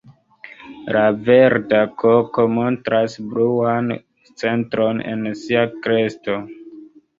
La Verda koko montras bluan centron en sia kresto.